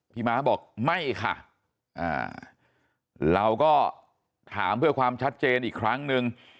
ม้าบอกไม่ค่ะเราก็ถามเพื่อความชัดเจนอีกครั้งนึง